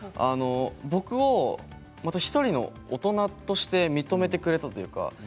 僕を１人の大人として認めてくれたというか。